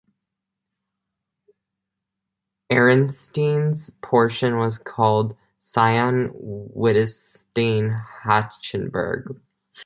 Ernestine's portion was called "Sayn-Wittgenstein-Hachenburg".